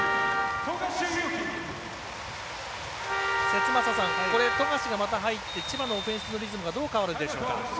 節政さん、富樫がまた入って千葉のオフェンスのリズムがどう変わるでしょうか？